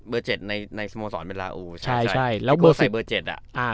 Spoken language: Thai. เจ็ดในในสโมสรเวลาอูใช่ใช่แล้วเบอร์สี่เบอร์เจ็ดอ่ะอ่า